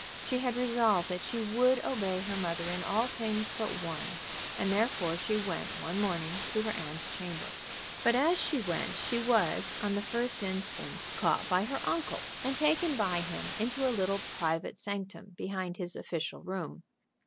She had resolved that she would obey her mother in all things but one, and therefore she went one morning to her aunt's chamber. But as she went she was, on the first instance, caught by her uncle, and taken by him into a little private sanctum behind his official room.